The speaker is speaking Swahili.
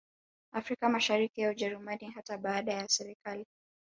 Afrika Mashariki ya Ujerumani hata baada ya serikali